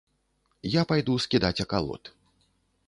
Я пайду скідаць акалот.